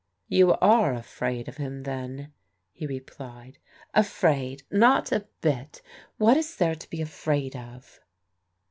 " You are afraid of him then," he replied. "Afraid ! Not a bit What is there to be afraid of